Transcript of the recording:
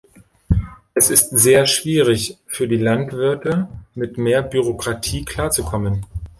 Es ist sehr schwierig für die Landwirte, mit mehr Bürokratie klar zu kommen.